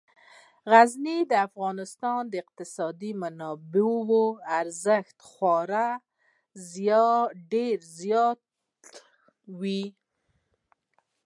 غزني د افغانستان د اقتصادي منابعو ارزښت خورا ډیر زیاتوي.